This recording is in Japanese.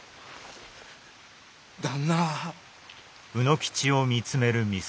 旦那。